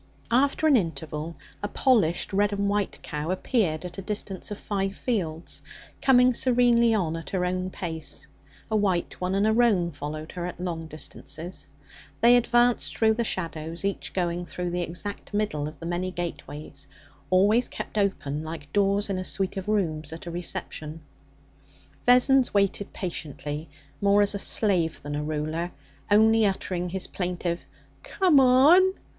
After an interval, a polished red and white cow appeared at a distance of five fields, coming serenely on at her own pace. A white one and a roan followed her at long distances. They advanced through the shadows, each going through the exact middle of the many gateways, always kept open like doors in a suite of rooms at a reception. Vessons waited patiently more as a slave than a ruler only uttering his plaintive 'Come o on!'